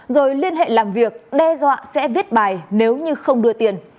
rồi liên hệ làm việc đe dọa sẽ viết bài nếu như không đưa tiền